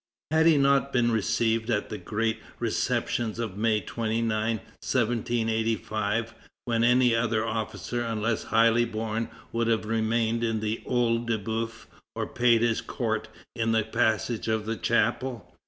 Had he not been received at the great receptions of May 29, 1785, when any other officer unless highly born would have remained in the OEil de Boeuf or paid his court in the passage of the chapel?